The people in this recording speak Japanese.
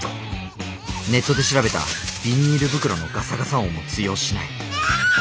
ネットで調べたビニール袋のガサガサ音も通用しない。